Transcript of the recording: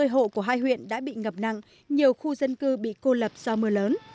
bốn trăm sáu mươi hộ của hai huyện đã bị ngập nặng nhiều khu dân cư bị cô lập do mưa lớn